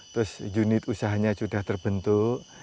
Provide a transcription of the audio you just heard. terus unit usahanya sudah terbentuk